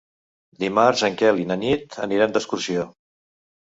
Dimarts en Quel i na Nit aniran d'excursió.